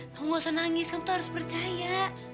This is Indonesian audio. kamu gak usah nangis kamu tuh harus percaya